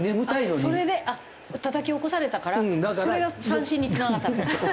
それでたたき起こされたからそれが三振につながったのか。